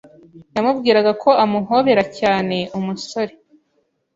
yamubwiraga ko amuhobera cyane Umusore